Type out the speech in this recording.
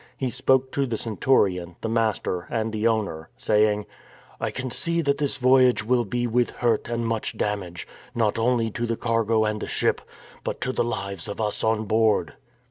He spoke to the centurion, the master, and the owner saying: " I can see that this voyage will be with hurt and much damage, not only to the cargo and the ship, but to the lives of us on board."